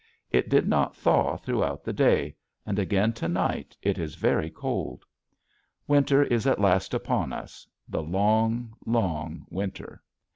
It did not thaw throughout the day, and again to night it is very cold. Winter is at last upon us, the long, long winter.